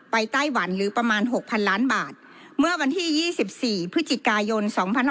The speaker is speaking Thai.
ไต้หวันหรือประมาณ๖๐๐๐ล้านบาทเมื่อวันที่๒๔พฤศจิกายน๒๕๖๒